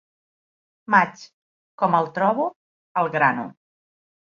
Maig, com el trobo, el grano.